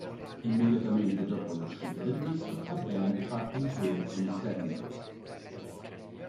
Immediatamente dopo l'uscita del disco la band parte in tour con i Sevendust.